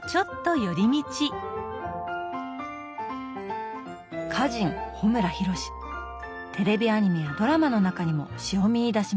テレビアニメやドラマの中にも詩を見いだします。